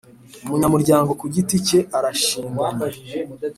Umunyamuryango ku giti cye arashinganye